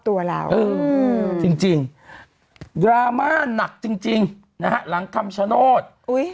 ว่าทุกอย่างคนเรียนรวย